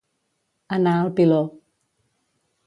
Anar al piló.